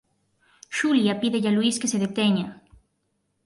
Xulia pídelle a Luís que se deteña.